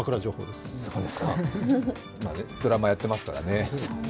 ドラマやってますからね。